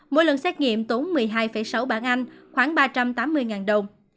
mỗi lần xét nghiệm tốn một mươi hai sáu bản anh khoảng ba trăm tám mươi đồng